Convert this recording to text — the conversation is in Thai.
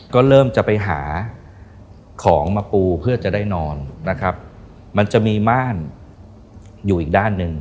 ก็เริ่มจะไปหาของมาปูเพื่อจะได้นอนนะครับมันจะมีม่านอยู่อีกด้านหนึ่ง